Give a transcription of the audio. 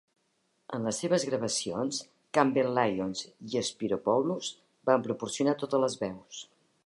En les seves gravacions Campbell-Lyons i Spyropoulos van proporcionar totes les veus.